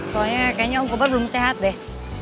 soalnya kayaknya om kobar belum sehat deh